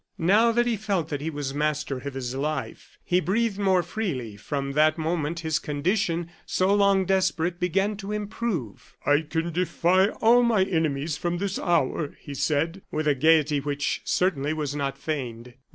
Now that he felt that he was master of his life he breathed more freely. From that moment his condition, so long desperate, began to improve. "I can defy all my enemies from this hour," he said, with a gayety which certainly was not feigned.